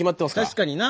確かにな。